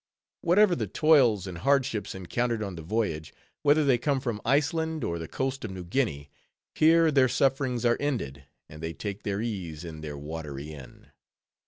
Whatever the toils and hardships encountered on the voyage, whether they come from Iceland or the coast of New Guinea, here their sufferings are ended, and they take their ease in their watery inn.